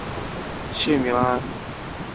韦尔诺伊亨是德国勃兰登堡州的一个市镇。